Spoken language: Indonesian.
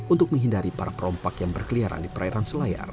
untuk menghindari para perompak yang berkeliaran di perairan selayar